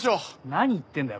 何言ってんだよ